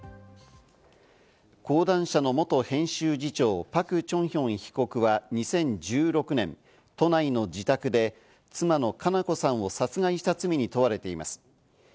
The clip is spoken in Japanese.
講談社の元編集次長・パク・チョンヒョン被告は２０１６年、都内の自宅で妻の佳菜子さんを殺害した罪に問われています。